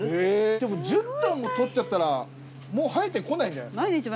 でも１０トンも採っちゃったらもう生えてこないんじゃないんですか？